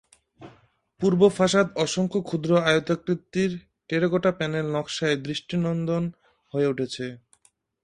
পূর্ব ফাসাদ অসংখ্য ক্ষুদ্র আয়তাকৃতির টেরাকোটা প্যানেল নকশায় দৃষ্টিনন্দন হয়ে উঠেছে।